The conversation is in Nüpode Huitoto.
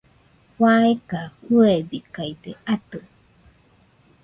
faeka fɨebikaide atɨ